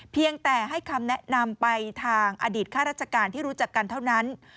เพียงแต่ให้คำแนะนำไปทางอดีตข้าราชการที่รู้จักกันเท่านั้น